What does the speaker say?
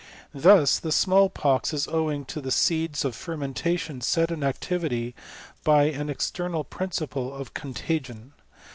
Thus the smallpox is owing to tbs seeds of fermentation set in activity by an extemii principle of contagion.